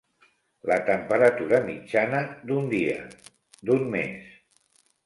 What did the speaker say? La temperatura mitjana d'un dia, d'un mes.